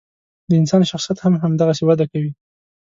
د انسان شخصیت هم همدغسې وده کوي.